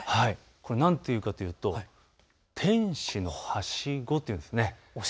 これ何ていうかというと天使のはしごというんです。